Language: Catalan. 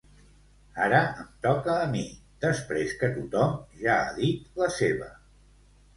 Ara em toca a mi, després que tothom ja ha dit la seva.